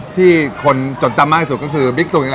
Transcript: ที่คนจดจำกระสุกก็คือ